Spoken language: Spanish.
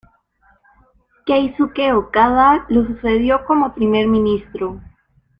Keisuke Okada lo sucedió como primer ministro.